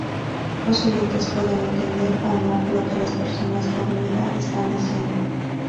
Los oyentes pueden entender, o no, lo que la persona dormida está diciendo.